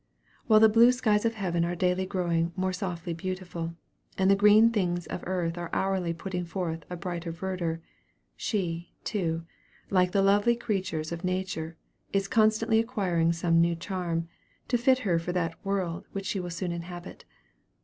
While the blue skies of heaven are daily growing more softly beautiful, and the green things of earth are hourly putting forth a brighter verdure, she, too, like the lovely creatures of nature, is constantly acquiring some new charm, to fit her for that world which she will so soon inhabit.